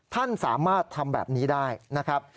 ท่านสามารถทำแบบนี้ได้นะครับ